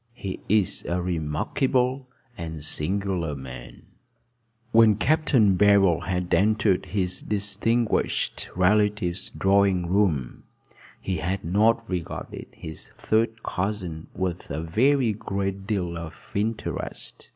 He is a remarkable and singular man." When Capt. Barold had entered his distinguished relative's drawing room, he had not regarded his third cousin with a very great deal of interest.